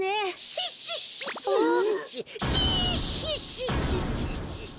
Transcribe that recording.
シッシッシッシッシッシッシッ！